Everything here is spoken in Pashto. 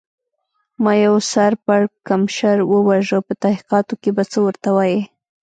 ما یو سر پړکمشر و وژه، په تحقیقاتو کې به څه ورته وایې؟